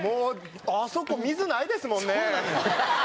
あそこ水ないですもんね。